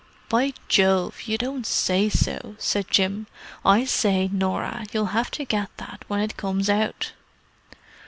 "By Jove, you don't say so!" said Jim. "I say, Norah, you'll have to get that when it comes out."